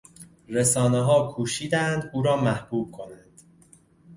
رسانهها کوشیدند او را محبوب کنند.